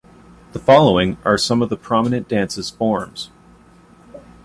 The following are some of the prominent dances forms.